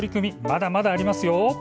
まだまだありますよ。